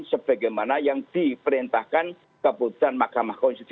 sebagaimana yang diperintahkan keputusan mahkamah konstitusi